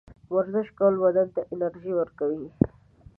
ورزش کول بدن ته انرژي ورکوي.